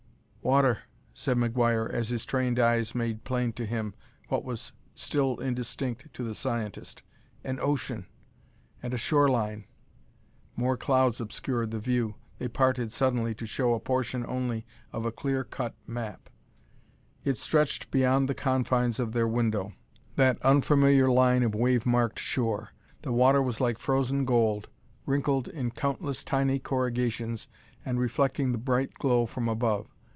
"Water," said McGuire, as his trained eyes made plain to him what was still indistinct to the scientist. "An ocean and a shore line " More clouds obscured the view; they parted suddenly to show a portion only of a clear cut map. It stretched beyond the confines of their window, that unfamiliar line of wave marked shore; the water was like frozen gold, wrinkled in countless tiny corrugations and reflecting the bright glow from above.